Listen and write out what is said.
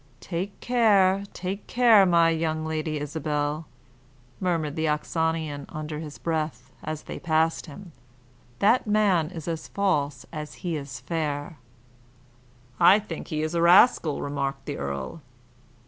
"Take care, take care, my young Lady Isabel," murmured the Oxonian under his breath, as they passed him, "that man is as false as he is fair." "I think he is a rascal," remarked the earl.